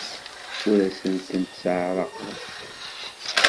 Ur asen-tent-sseɛraqeɣ.